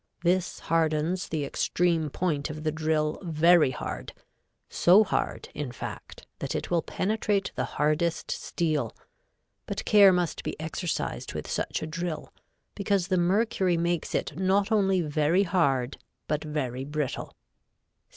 This hardens the extreme point of the drill very hard, so hard, in fact, that it will penetrate the hardest steel, but care must be exercised with such a drill because the mercury makes it not only very hard but very brittle.